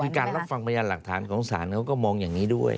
คือการรับฟังพยานหลักฐานของศาลเขาก็มองอย่างนี้ด้วย